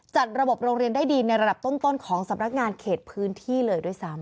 จัดระบบโรงเรียนได้ดีในระดับต้นของสำนักงานเขตพื้นที่เลยด้วยซ้ำ